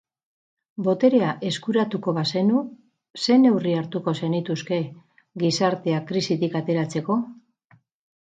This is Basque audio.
Boterea eskuratuko bazenu, ze neurri hartuko zenituzke gizartea krisitik ateratzeko?